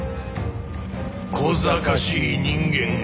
こざかしい人間が！